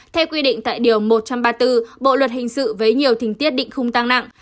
theo quy định tại điều một trăm ba mươi bốn bộ luật hình sự với nhiều tình tiết định khung tăng nặng